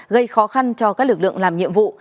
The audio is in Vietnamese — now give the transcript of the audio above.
gây khó khăn cho các lực lượng làm nhiệm vụ